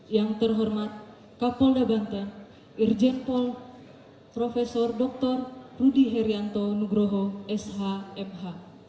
yang terhormat kapol da banten irjen pol profesor dr rudi herianto nugroho shmh